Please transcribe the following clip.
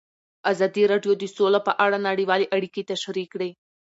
ازادي راډیو د سوله په اړه نړیوالې اړیکې تشریح کړي.